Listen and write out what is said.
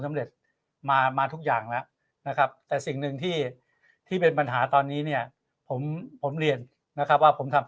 สำเร็จมามาทุกอย่างแล้วนะครับแต่สิ่งหนึ่งที่ที่เป็นปัญหาตอนนี้เนี่ยผมผมเรียนนะครับว่าผมทำ